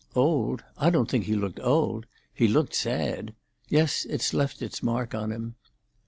"Old? I don't think he looked old. He looked sad. Yes, it's left its mark on him."